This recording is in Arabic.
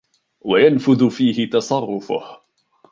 وَيَنْفُذُ فِيهِ تَصَرُّفُهُ